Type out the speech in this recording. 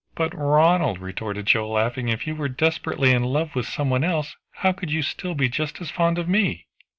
"But, Ronald," retorted Joe laughing, "if you were desperately in love with some one else, how could you still be just as fond of me?"